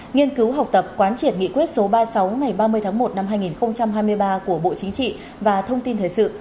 nghiên cứu học tập quán triệt nghị quyết số ba mươi sáu ngày ba mươi tháng một năm hai nghìn hai mươi ba của bộ chính trị và thông tin thời sự